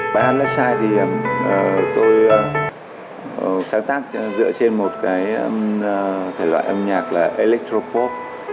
bài hát là sai thì tôi sáng tác dựa trên một thể loại âm nhạc là electropop